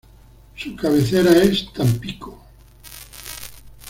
Su cabecera es Tampico.